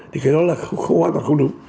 thì cái đó là hoàn toàn không đúng